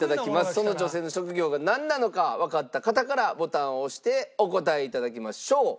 その女性の職業がなんなのかわかった方からボタンを押してお答え頂きましょう。